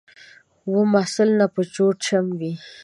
و محصل ته به جوړ چم وي